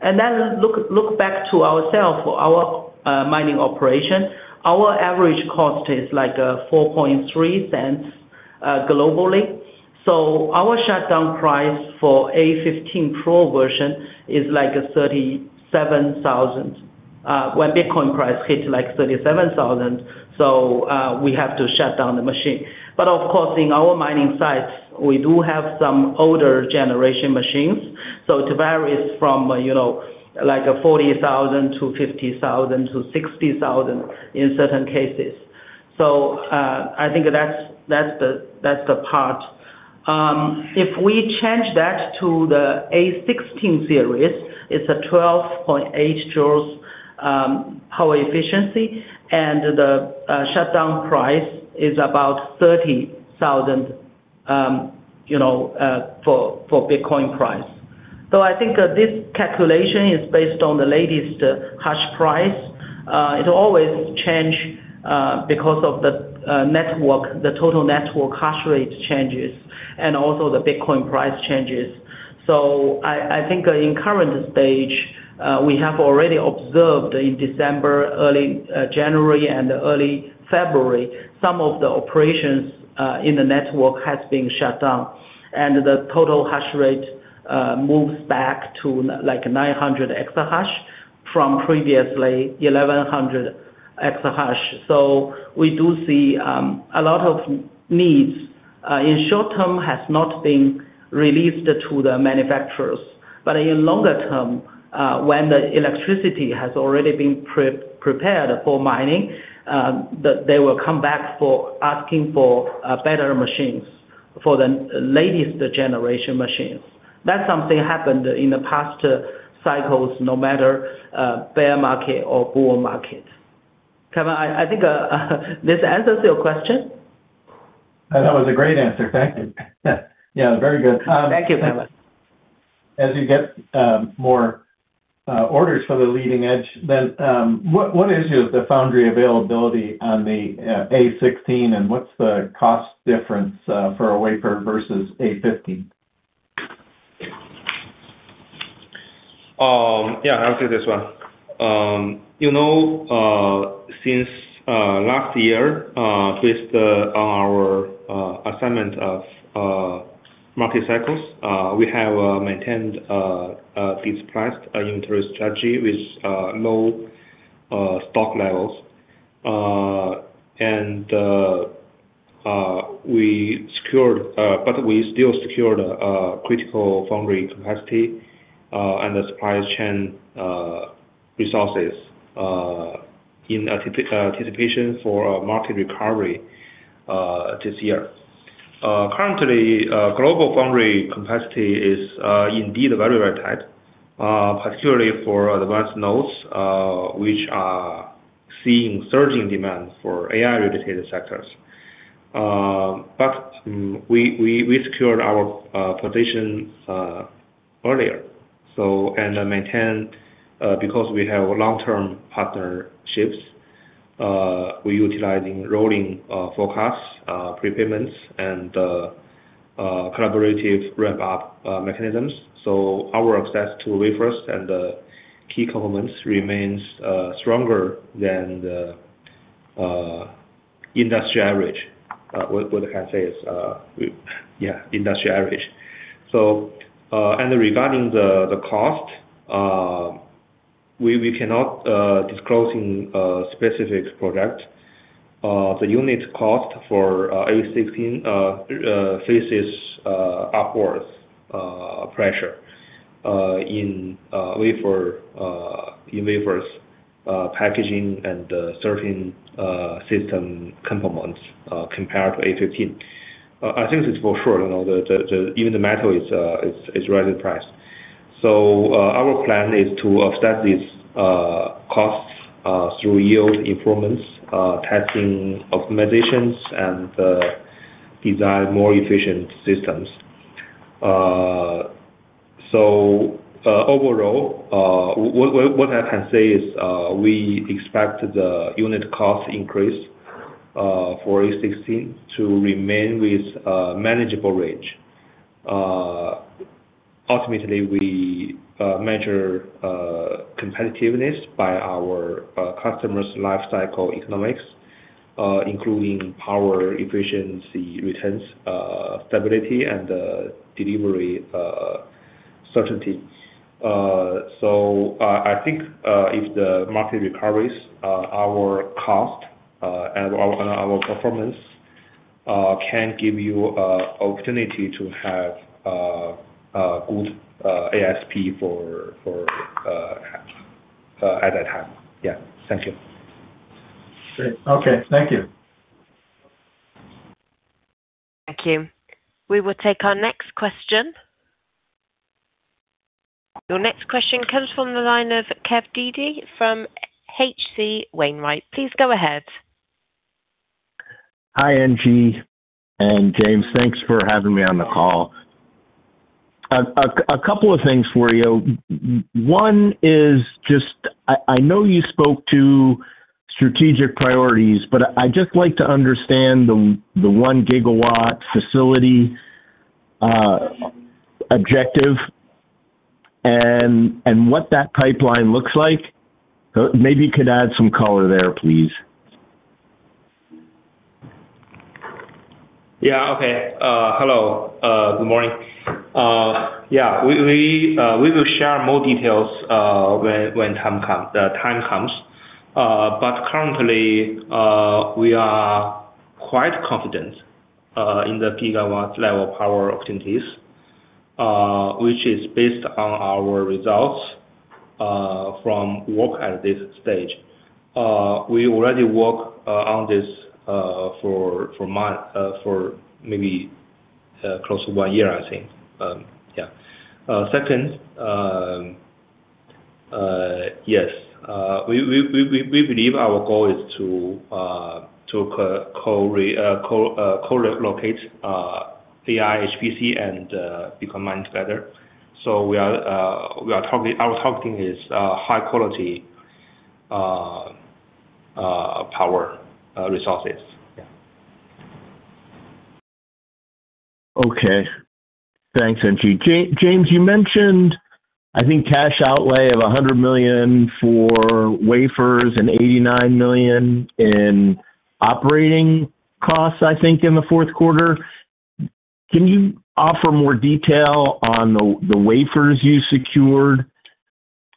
Then look back to ourselves, our mining operation, our average cost is like $0.043 globally. So our shutdown price for A15 Pro version is like $37,000. When Bitcoin price hits like $37,000, so we have to shut down the machine. But of course, in our mining sites, we do have some older generation machines, so it varies from, you know, like $40,000 to $50,000 to $60,000 in certain cases. So, I think that's, that's the, that's the part. If we change that to the A16 series, it's a 12.8 J power efficiency, and the shutdown price is about $30,000, you know, for Bitcoin price. So I think this calculation is based on the latest hash price. It always change because of the network, the total network hash rate changes, and also the Bitcoin price changes. So I, I think in current stage we have already observed in December, early January, and early February, some of the operations in the network has been shut down, and the total hash rate moves back to like 900 EH from previously 1,100 EH. So we do see a lot of needs in short term has not been released to the manufacturers. But in longer term, when the electricity has already been pre-prepared for mining, they will come back for asking for better machines, for the latest generation machines. That's something happened in the past cycles, no matter bear market or bull market. Kevin, I think this answers your question? That was a great answer. Thank you. Yeah, very good. Thank you, Kevin. As you get more orders for the leading edge, then what is the foundry availability on the A16, and what's the cost difference for a wafer versus A15? Yeah, I'll take this one. You know, since last year with our assessment of market cycles, we have maintained this pricing strategy with low stock levels. We secured, but we still secured critical foundry capacity and the supply chain resources in anticipation for a market recovery this year. Currently, global foundry capacity is indeed very, very tight, particularly for advanced nodes, which are seeing surging demand for AI-related sectors. But we secured our position earlier. So we maintain because we have long-term partnerships, we're utilizing rolling forecasts, prepayments, and collaborative ramp-up mechanisms. So our access to wafers and the key components remains stronger than the industry average. What I can say is, yeah, industry average. So, and regarding the cost, we cannot disclose specific product. The unit cost for A16 faces upward pressure in wafers, packaging and certain system components compared to A15. I think this is for sure, you know, even the metal is rising price. So, our plan is to offset these costs through yield improvements, testing optimizations, and design more efficient systems. So, overall, what I can say is, we expect the unit cost increase for A16 to remain with a manageable range. Ultimately, we measure competitiveness by our customers' lifecycle economics, including power efficiency, returns, stability, and delivery certainty. So, I think, if the market recovers, our cost and our performance can give you an opportunity to have a good ASP for at that time. Yeah. Thank you. Great. Okay. Thank you. Thank you. We will take our next question. Your next question comes from the line of Kevin Dede from H.C. Wainwright. Please go ahead. Hi, NG and James. Thanks for having me on the call. A couple of things for you. One is just I know you spoke to strategic priorities, but I'd just like to understand the 1 GW facility objective and what that pipeline looks like. Maybe you could add some color there, please? Yeah. Okay. Hello, good morning. Yeah, we will share more details when the time comes. But currently, we are quite confident in the gigawatt level power opportunities, which is based on our results from work at this stage. We already work on this for month for maybe close to one year, I think. Yeah. Second, yes, we believe our goal is to co-locate AI, HPC and be combined together. So we are talking. Our talking is high quality power resources. Yeah. Okay. Thanks, NG. James, you mentioned, I think, cash outlay of $100 million for wafers and $89 million in operating costs, I think, in the fourth quarter. Can you offer more detail on the wafers you secured?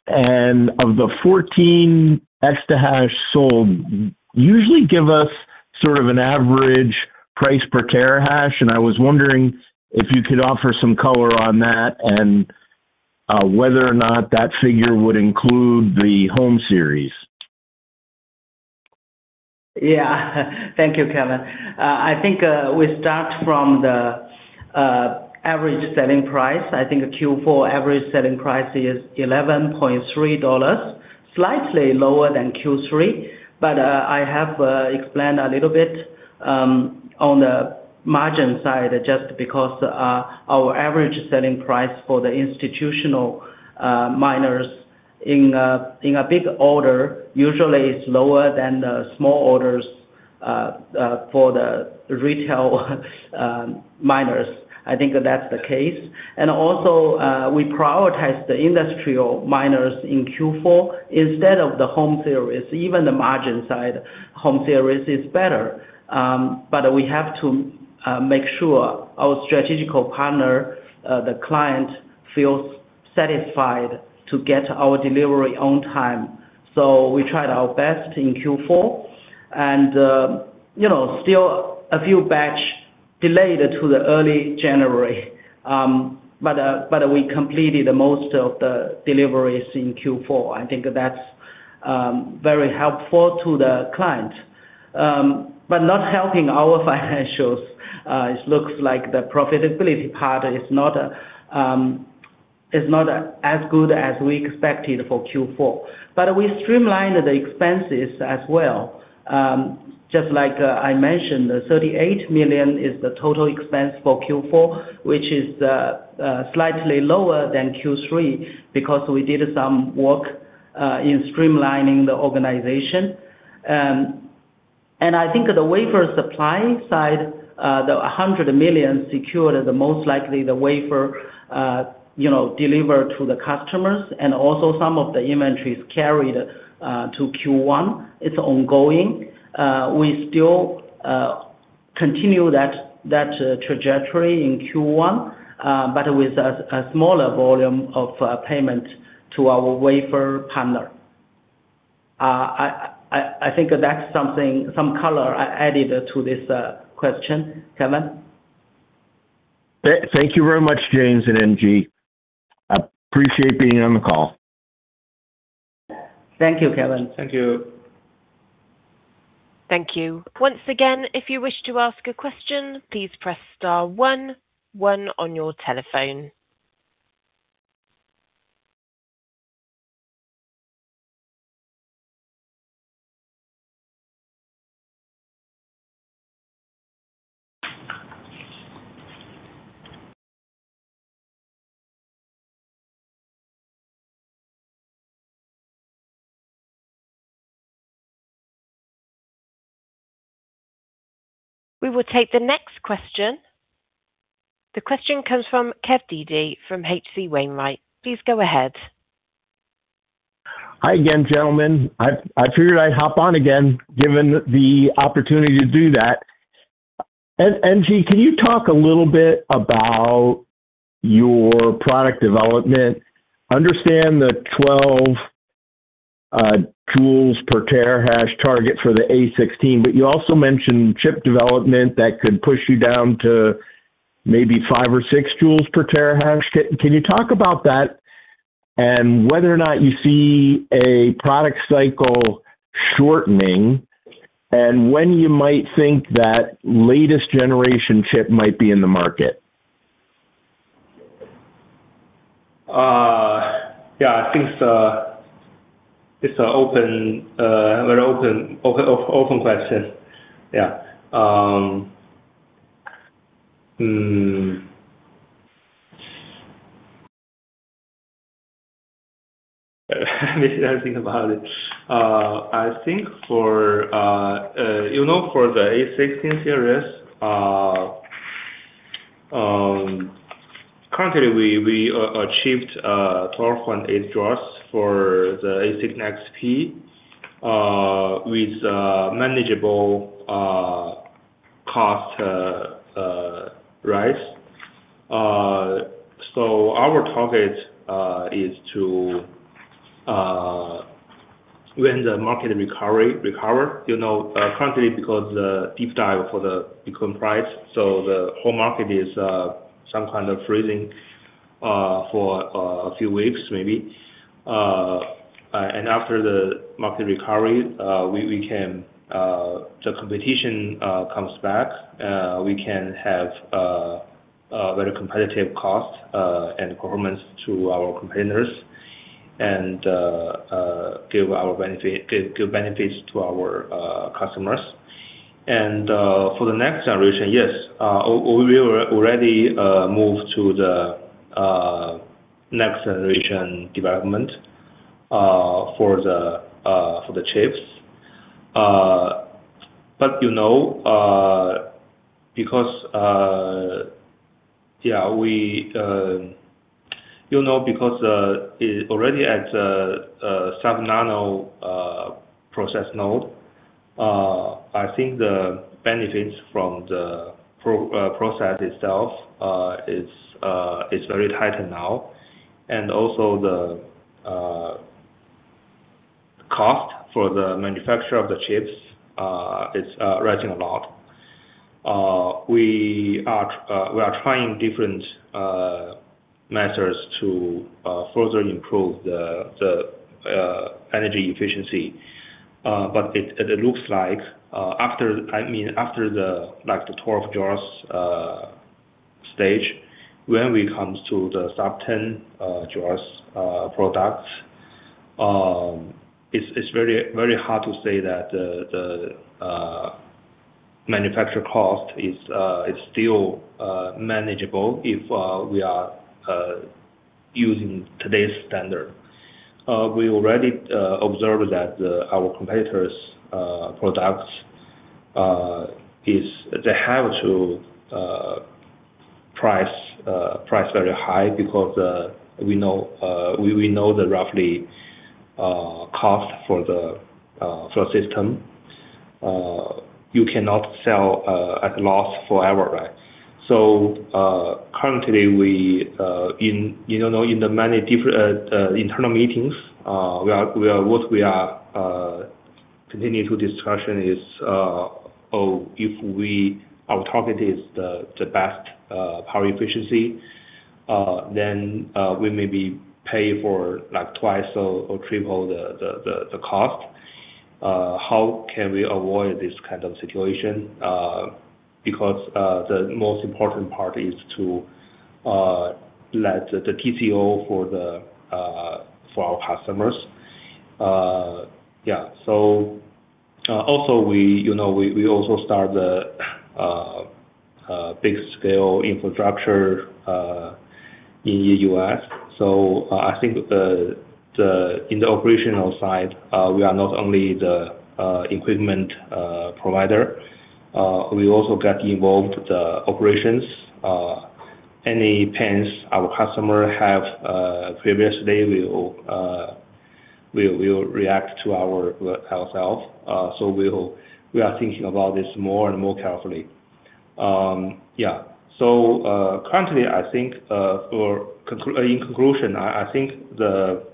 And of the 14 EH sold, usually give us sort of an average price per terahash, and I was wondering if you could offer some color on that and whether or not that figure would include the Home Series. Yeah. Thank you, Kevin. I think we start from the average selling price. I think the Q4 average selling price is $11.3, slightly lower than Q3. But I have explained a little bit on the margin side, just because our average selling price for the institutional miners in a big order usually is lower than the small orders for the retail miners. I think that's the case. And also, we prioritize the industrial miners in Q4 instead of the Home Series, even the margin side, Home Series is better. But we have to make sure our strategic partner, the client, feels satisfied to get our delivery on time. So we tried our best in Q4 and, you know, still a few batch delayed to the early January. But we completed the most of the deliveries in Q4. I think that's very helpful to the client. But not helping our financials, it looks like the profitability part is not as good as we expected for Q4. But we streamlined the expenses as well. Just like I mentioned, the $38 million is the total expense for Q4, which is slightly lower than Q3, because we did some work in streamlining the organization. And I think the wafer supply side, the $100 million secured is the most likely the wafer, you know, delivered to the customers and also some of the inventories carried to Q1. It's ongoing. We still continue that trajectory in Q1, but with a smaller volume of payment to our wafer partner. I think that's something, some color I added to this question, Kevin. Thank you very much, James and NG. I appreciate being on the call. Thank you, Kevin. Thank you. Thank you. Once again, if you wish to ask a question, please press star one, one on your telephone. We will take the next question. The question comes from Kevin Dede from H.C. Wainwright. Please go ahead. Hi again, gentlemen. I figured I'd hop on again, given the opportunity to do that. MG, can you talk a little bit about your product development? Understand the 12 J/TH target for the A16, but you also mentioned chip development that could push you down to maybe 5J/TH or 6 J/TH. Can you talk about that? And whether or not you see a product cycle shortening, and when you might think that latest generation chip might be in the market. Yeah, I think it's a open, very open question. Yeah. Let me think about it. I think for, you know, for the A16 series, currently we achieved 12.8 J/TH for the A16XP, with manageable cost rise. So our target is to, when the market recovers, you know, currently because the deep dive for the Bitcoin price, so the whole market is some kind of freezing for a few weeks maybe. And after the market recovery, we can. The competition comes back, we can have a very competitive cost and performance to our competitors, and give benefits to our customers. For the next generation, yes, we already moved to the next generation development for the chips. But you know, because yeah, you know, because it already at the subnano process node, I think the benefits from the process itself is very tight now. And also the cost for the manufacturer of the chips, it's rising a lot. We are trying different methods to further improve the energy efficiency. But it looks like, after, I mean, after the, like, the 12 joules stage, when we comes to the sub-10 joules product, it's very, very hard to say that the manufacture cost is still manageable if we are using today's standard. We already observed that our competitors' products is they have to price very high because we know, we know the roughly cost for the system. You cannot sell at loss forever, right? So, currently, we, in, you know, in the many different internal meetings, we are, we are what we are-... Continuing the discussion is, oh, if our target is the best power efficiency, then we maybe pay for like 2x or 3x the cost. How can we avoid this kind of situation? Because the most important part is to let the TCO for our customers. Yeah, so also we, you know, we also start the big scale infrastructure in the U.S. So I think the in the operational side, we are not only the equipment provider, we also get involved the operations. Any pains our customer have previously will, we will react to ourselves. So we'll, we are thinking about this more and more carefully. Yeah. In conclusion, I think the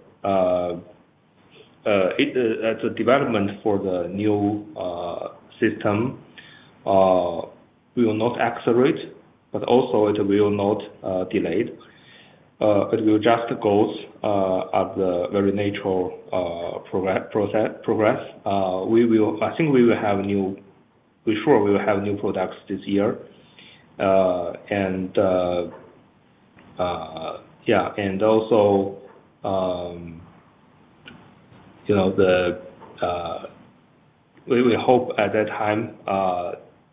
development for the new system will not accelerate, but also it will not delayed. It will just goes at the very natural process, progress. I think we will have new... We're sure we will have new products this year. And also, you know, we will hope at that time,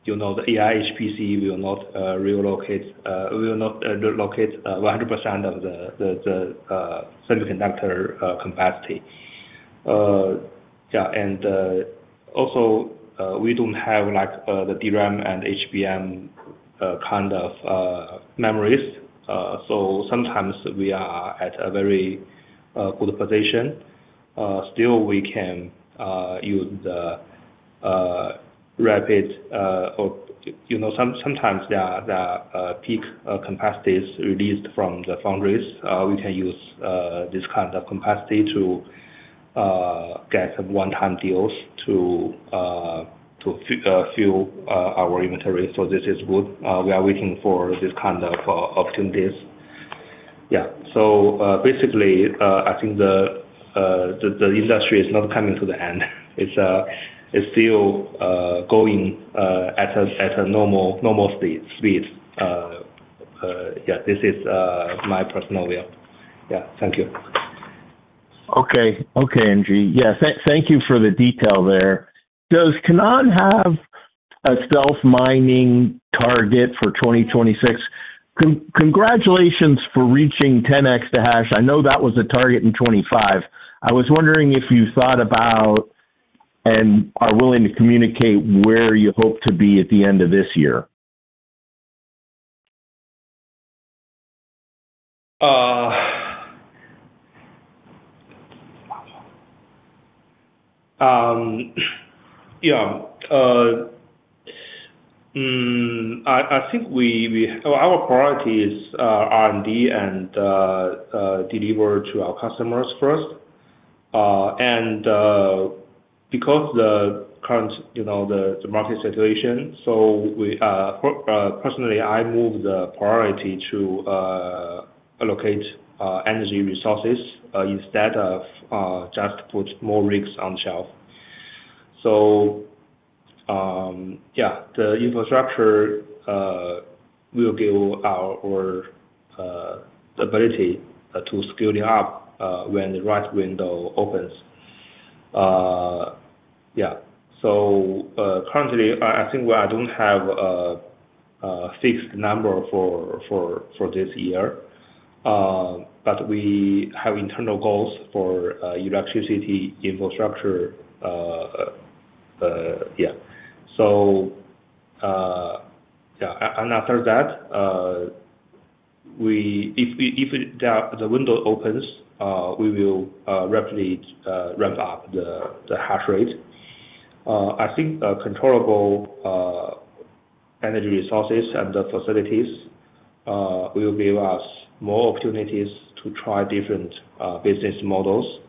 you know, the AI HPC will not relocate, will not allocate 100% of the semiconductor capacity. Yeah, and also, we don't have like the DRAM and HBM kind of memories. So sometimes we are at a very good position. Still we can use the rapid or... You know, sometimes there are peak capacities released from the foundries. We can use this kind of capacity to get some one-time deals to fuel our inventory. So this is good. We are waiting for this kind of opportunities. Yeah. So, basically, I think the industry is not coming to the end. It's still going at a normal speed. Yeah, this is my personal view. Yeah. Thank you. Okay. Okay, NG. Yeah, thank you for the detail there. Does Canaan have a self-mining target for 2026? Congratulations for reaching 10 EH. I know that was a target in 2025. I was wondering if you thought about and are willing to communicate where you hope to be at the end of this year? I think we... Our priority is R&D and deliver to our customers first. And because the current, you know, the market situation, so we personally, I move the priority to allocate energy resources instead of just put more rigs on shelf. So, the infrastructure will give our ability to scale it up when the right window opens. So, currently, I think we don't have a fixed number for this year, but we have internal goals for electricity infrastructure. So, and after that, we if we, if it, the window opens, we will rapidly ramp up the hash rate. I think controllable energy resources and the facilities will give us more opportunities to try different business models,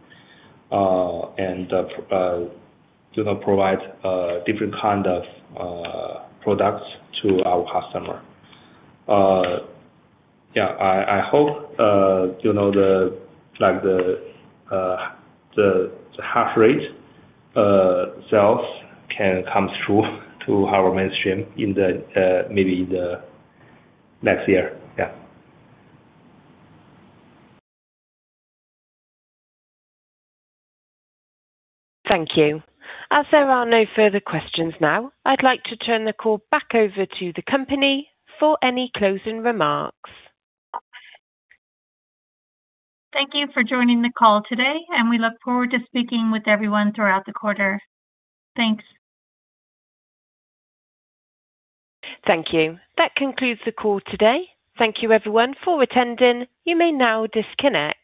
and, you know, provide different kind of products to our customer. Yeah, I hope, you know, the, like the hash rate sales can come through to our mainstream in the maybe the next year. Yeah. Thank you. As there are no further questions now, I'd like to turn the call back over to the company for any closing remarks. Thank you for joining the call today, and we look forward to speaking with everyone throughout the quarter. Thanks. Thank you. That concludes the call today. Thank you everyone for attending. You may now disconnect.